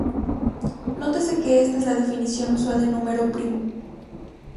Nótese que esta es la "definición" usual de número primo.